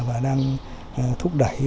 và đang thúc đẩy